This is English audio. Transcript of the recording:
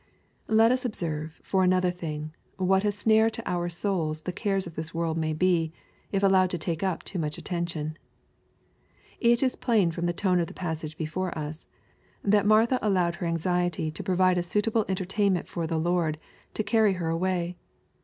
Let us observe, for another thing, what a snare to our souls the cares of this world may 6e, if allowed to take up too much attention. It is plain from the tone of the passage before us, that Martha allowed her anxiety to provide a suitable entertainment for the Lord, to carry her away.